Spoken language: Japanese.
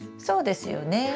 そうですよね。